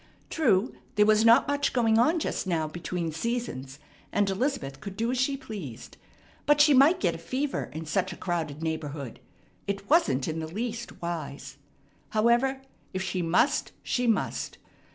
True, there was not much going on just now between seasons, and Elizabeth could do as she pleased; but she might get a fever in such a crowded neighborhood. It wasn't in the least wise. However, if she must, she must.